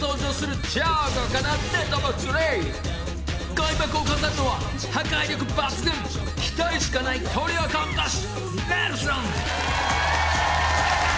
［開幕を飾るのは破壊力抜群期待しかないトリオコント師］